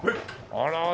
あら。